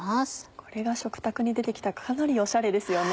これが食卓に出て来たらかなりオシャレですよね。